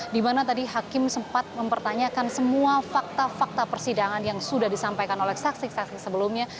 di mana tadi hakim sempat mempertanyakan semua fakta fakta persidangan yang sudah disampaikan oleh saksik saksik sebelumnya